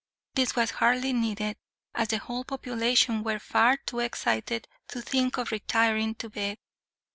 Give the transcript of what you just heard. This was hardly needed, as the whole population were far too excited to think of retiring to bed.